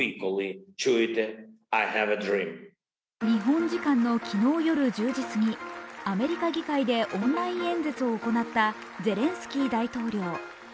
日本時間の昨日夜１０時すぎ、アメリカ議会でオンライン演説を行ったゼレンスキー大統領。